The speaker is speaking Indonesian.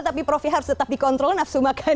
tapi prof ihar tetap dikontrol nafsu makan